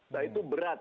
nah itu berat